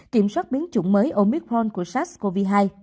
kiểm soát biến chủng mới omicron của sars cov hai